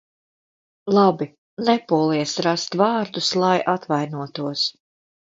Labi, nepūlies rast vārdus, lai atvainotos.